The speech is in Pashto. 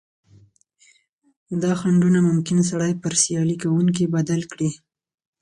دا خنډونه ممکن سړی پر سیالي کوونکي بدل کړي.